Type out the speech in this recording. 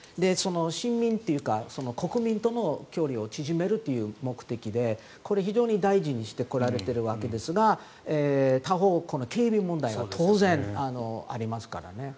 市民というか国民とも距離を縮めるという目的で非常に大事にしてこられているわけですが他方、警備問題は当然、ありますからね。